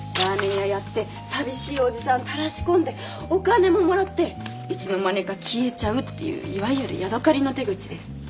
ラーメン屋やって寂しいおじさんたらし込んでお金ももらっていつの間にか消えちゃうっていういわゆるヤドカリの手口です。